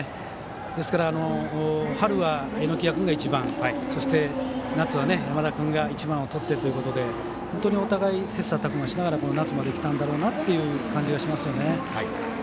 ですから、春は榎谷君が１番そして夏は山田君が１番をとっているということで本当にお互い切さたく磨しながら夏まで来た感じがします。